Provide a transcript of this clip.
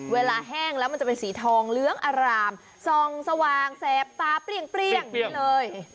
แห้งแล้วมันจะเป็นสีทองเหลืองอารามส่องสว่างแสบตาเปรี้ยงนี่เลย